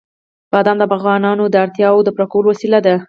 بادام د افغانانو د اړتیاوو د پوره کولو وسیله ده.